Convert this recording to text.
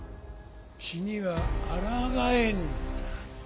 血にはあらがえんのじゃ。